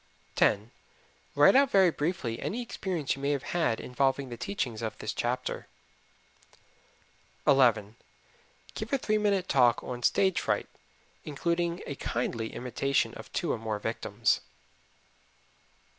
10. Write out very briefly any experience you may have had involving the teachings of this chapter. 11. Give a three minute talk on "Stage Fright," including a (kindly) imitation of two or more victims.